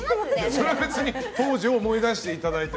それは別に当時を思い出していただいて。